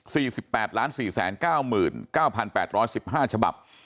สิบแปดล้านสี่แสนเก้าหมื่นเก้าพันแปดร้อยสิบห้าฉบับ